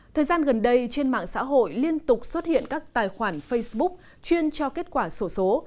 thời gian gần đây trên mạng xã hội liên tục xuất hiện các tài khoản facebook chuyên cho kết quả sổ số